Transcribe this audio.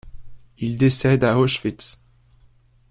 Il décède à Auschwitz.